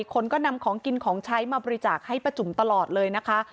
คนก็นำของกินของใช้มาบริจาคให้ป้าจุ๋มตลอดเลยนะคะ